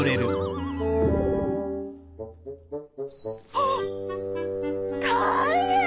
あったいへん！